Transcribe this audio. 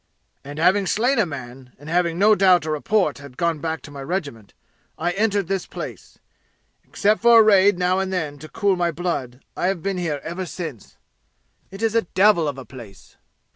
And having slain a man, and having no doubt a report had gone back to the regiment, I entered this place. Except for a raid now and then to cool my blood I have been here ever since. It is a devil of a place."